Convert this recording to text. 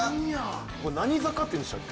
これ何坂っていうんでしたっけ？